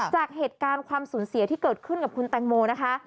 จากเหตุการณ์ความสูญเสียที่เกิดขึ้นกับคุณแตงโมนะคะ